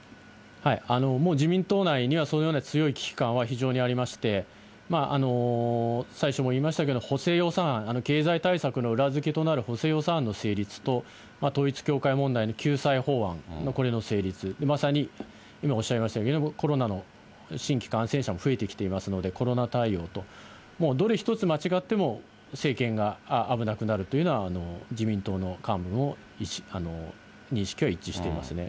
もう自民党内には、そのような強い危機感は非常にありまして、最初も言いましたけど、補正予算案、経済対策の裏付けとなる補正予算案の成立と、統一教会問題の救済法案の成立、これの成立、今おっしゃいましたけれども、コロナの新規感染者も増えてきていますので、コロナ対応と、どれ一つ間違っても政権が危なくなるというのは自民党の幹部も認識は一致していますね。